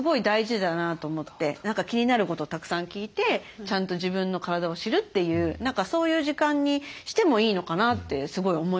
何か気になることをたくさん聞いてちゃんと自分の体を知るというそういう時間にしてもいいのかなってすごい思いました。